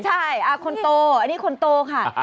ใช่คนโตอันนี้คนโตค่ะ